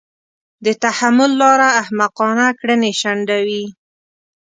د تحمل لاره احمقانه کړنې شنډوي.